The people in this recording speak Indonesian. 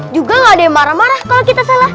juga gak ada yang marah marah kalau kita salah